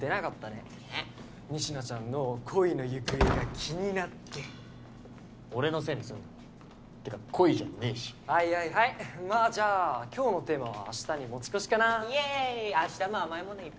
ねっ仁科ちゃんの恋の行方が気になって俺のせいにすんなってか恋じゃねえしはいはいはいまあじゃあ今日のテーマはあしたに持ち越しかなイエーイ！